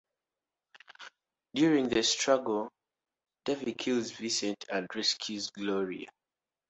During the struggle, Davey kills Vincent and rescues Gloria.